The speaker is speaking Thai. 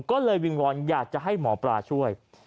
ก็เลยวิงวอนอยากจะให้หมอปลาช่วย